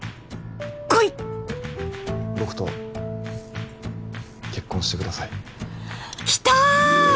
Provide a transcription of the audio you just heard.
こいっ僕と結婚してくださいきたー！